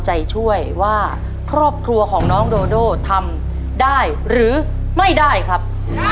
ใจช่วยว่าครอบครัวของน้องโดโดทำได้หรือไม่ได้ครับ